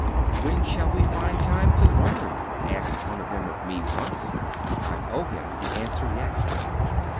" When shall we find time to leani ?" asked one of them of me once, lowe him the answer yet.